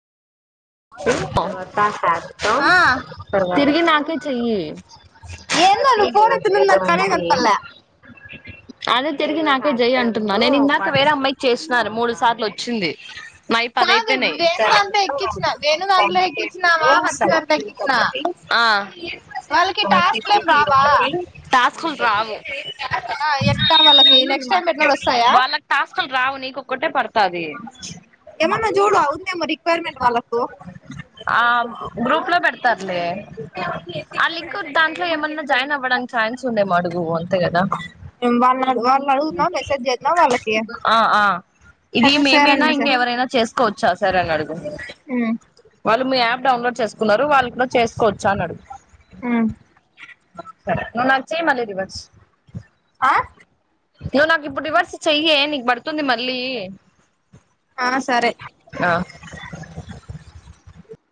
ఆ తిరిగి నాకే చెయ్యి ఏందో చపాతి నువ్ ఫోన్ ఎత్తటం ఏదో నాక్ ఉంది సరిగత్తంలే అదే తిరిగి నాకే జై అంటున్నా నేను ఇందాక వేరే అమ్మాయికి చేసినా మూడు సార్లు ఓచ్చింది మాయి కాదు పదాయిపెనయి వేణు దాంట్లో ఎక్కించిన వేణు దాంట్లో ఎక్కించినావా హర్ష దాంట్లో ఎక్కించినా [unintelligible] ఆహ్ వాళ్ళకి టాస్క్లు ఏం రావా టాస్కూల్ రావు ఆ ఎట్లా వాళ్ళకి నెక్స్ట్ టైం పెట్టినప్పుడు వస్తాయా వాళ్ళకి టాస్కులు రావు నీకోక్కటే పడుతాది ఏమన్నా చూడూ అవుత్దేమో రిక్వైర్మెంట్ వాళ్ళ ఆ గ్రూప్ లో పెడతారులే ఆ లింక్ ఉం దాంట్లో ఏమన్నా జాయిన్ అవ్వడానికి ఛాన్స్ ఉండే అడుగు అంతే కదా వాళ్ళ వాళ్ళని అడుగుదాం మెసేజ్ చేద్దాం వాళ్ళకి ఆ ఆ ఇది హలో సార్ అని మేమైనా ఇంక మెసేజ్ ఎవరైనా చేస్ కోచ్చా సర్ అని అడుగు హ్ వాళ్ళు మీ యాప్ డౌన్లోడ్ చేసుకున్నారు వాళ్ళు కూడా చేసుకోవచ్చ అని అడుగు హ్మ్ సరే నువ్ నాక్ చేయి మళ్లీ రివర్స్ ఆ నువ్వు నాకు ఇప్పుడు రివర్స్ చెయ్యే నీకు బడుతుంది మళ్ళీ ఆ సరే ఆ